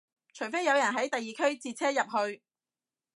除非有人喺第二區截車入去